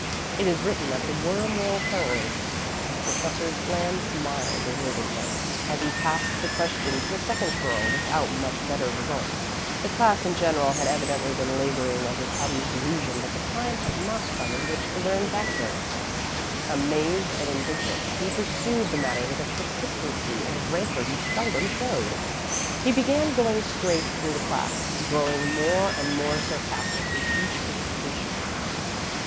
It is written that the worm will turn, and the professor's bland smile deserted him as he passed the question to a second girl without much better result. The class in general had evidently been laboring under Patty's delusion that the time had not come in which to learn back notes. Amazed and indignant, he pursued the matter with a persistency and a rancor he seldom showed. He began going straight through the class, growing more and more sarcastic with each recitation.